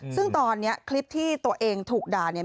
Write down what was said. ซึ่งตอนนี้คลิปที่ตัวเองถูกด่าเนี่ย